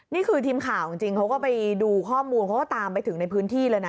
นี่คือทีมข่าวจริงเขาก็ไปดูข้อมูลเขาก็ตามไปถึงในพื้นที่เลยนะ